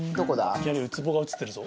いきなりウツボが映ってるぞ。